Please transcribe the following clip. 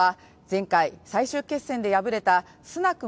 前回最終決戦で敗れたスナク